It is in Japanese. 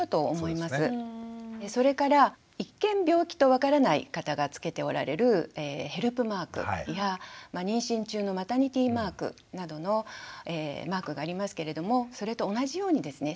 それから一見病気と分からない方がつけておられるヘルプマークや妊娠中のマタニティマークなどのマークがありますけれどもそれと同じようにですね